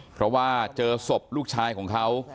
เพราะว่าเจอศพลูกชายของเขา